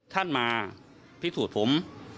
ท่านมาพิสูจน์ผม